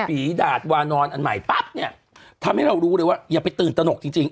ฝีดาดวานอนอันใหม่ปั๊บเนี่ยทำให้เรารู้เลยว่าอย่าไปตื่นตนกจริงจริง